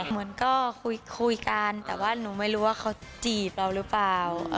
เหมือนก็คุยกันแต่ว่าหนูไม่รู้ว่าเขาจีบเราหรือเปล่า